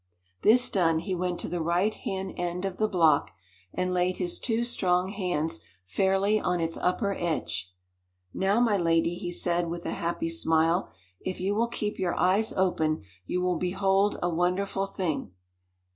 This done, he went to the right hand end of the block, and laid his two strong hands fairly on its upper edge. "Now, my lady," he said, with a happy smile, "if you will keep your eyes open you will behold a wonderful thing."